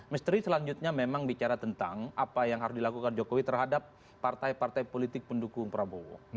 misteri selanjutnya memang bicara tentang apa yang harus dilakukan jokowi terhadap partai partai politik pendukung prabowo